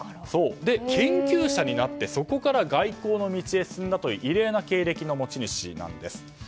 研究者になってそこから外交の道へ進んだという異例な経歴の持ち主なんです。